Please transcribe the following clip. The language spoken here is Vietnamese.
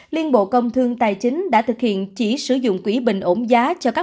liên bộ công thương tài chính đã thực hiện chỉ sử dụng quỹ bình ổn giá